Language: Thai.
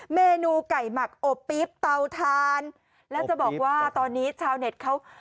เมนูไก่หมักอบปี๊บเตาทานแล้วจะบอกว่าตอนนี้ชาวเน็ตเขา